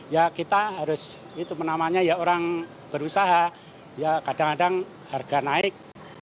ya kita harus itu menamanya ya orang berusaha ya kadang kadang harga naik